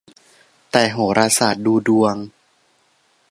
แต่โหราศาสตร์ดูดวง